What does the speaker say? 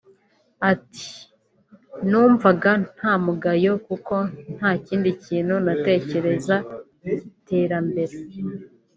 Ati”numvaga ntamugayo kuko nta kindi kintu natekereza cy’iterambere